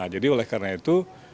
jadi oleh karena itu